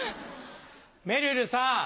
めるるさん。